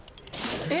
え？